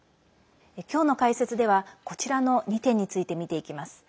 今日の解説では、こちらの２点について見ていきます。